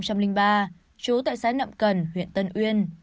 chú tại xã nậm cần huyện tân uyên